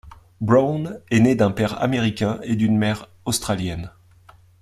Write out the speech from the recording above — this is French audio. Browne est né d'un père américain et d'une mère australienne.